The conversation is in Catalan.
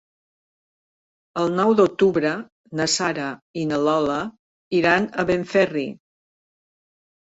El nou d'octubre na Sara i na Lola iran a Benferri.